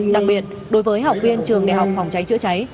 đặc biệt đối với học viên trường đại học phòng cháy chữa cháy